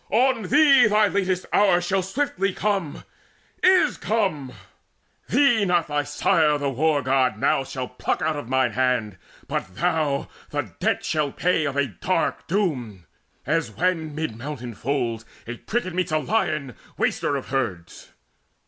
On thee Thy latest hour shall swiftly come is come! Thee not thy sire the War god now shall pluck Out of mine hand, but thou the debt shalt pay Of a dark doom, as when mid mountain folds A pricket meets a lion, waster of herds.